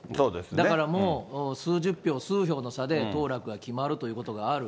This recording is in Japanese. だからもう、数十票、数票の差で当落が決まるということがある。